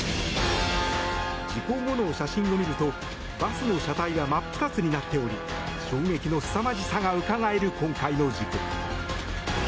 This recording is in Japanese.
事故後の写真を見るとバスの車体は真っ二つになっており衝撃のすさまじさがうかがえる今回の事故。